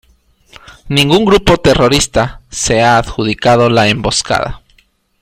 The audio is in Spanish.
Ningún grupo terrorista se ha adjudicado la emboscada.